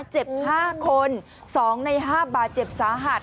เจ็บ๕คน๒ใน๕บาดเจ็บสาหัส